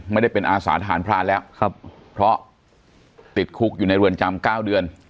ไม่ได้เป็นอาสาทหารพรานแล้วครับเพราะติดคุกอยู่ในเรือนจำ๙เดือน